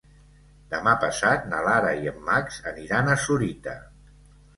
Demà passat na Lara i en Max aniran a Sorita.